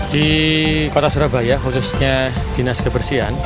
di kota surabaya khususnya dinas kebersihan